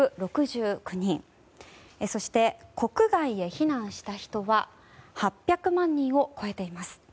そして国外へ避難した人は８００万人を超えています。